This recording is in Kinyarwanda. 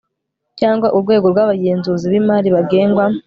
cyangwa urwego rw abagenzuzi b imari bagengwa